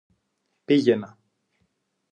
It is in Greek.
Πήγαινα